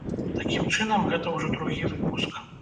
Такім чынам гэта ўжо другі выпуск.